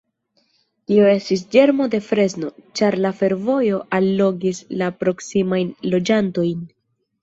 Tio estis ĝermo de Fresno, ĉar la fervojo allogis la proksimajn loĝantojn.